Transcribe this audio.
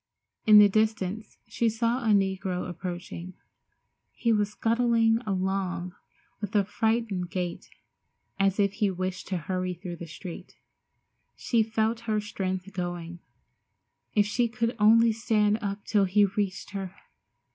In the distance she saw a negro approaching. He was scuttling along with a frightened gait, as if he wished to hurry through the street. She felt her strength going. If she could only stand up till he reached her!